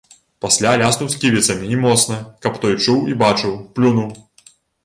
Пасля ляснуў сківіцамі і моцна, каб той чуў і бачыў, плюнуў.